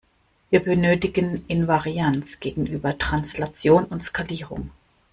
Wir benötigen Invarianz gegenüber Translation und Skalierung.